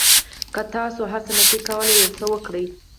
که تاسو هر څه نه شئ کولای یو څه یې وکړئ.